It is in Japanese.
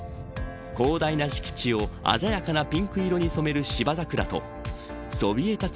広大な敷地を鮮やかなピンク色に染める芝桜とそびえ立つ